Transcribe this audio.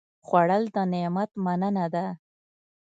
خوړل د نعمت مننه ده